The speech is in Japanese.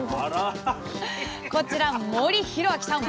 こちら森博昭さん。